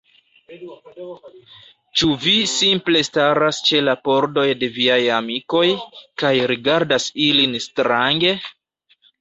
Ĉu vi simple staras ĉe la pordoj de viaj amikoj, kaj rigardas ilin strange?